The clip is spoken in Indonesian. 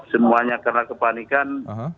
semuanya karena kepanikan